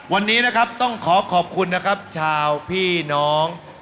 วันนี้นะครับต้องขอขอบคุณนะครับชาวพี่น้อง